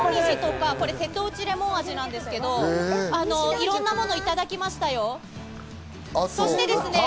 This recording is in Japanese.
カキとか揚げもみじとか、これ瀬戸内レモン味なんですけど、いろんなものをいただきましたよ。